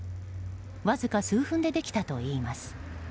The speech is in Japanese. わずか数分でできたといいます。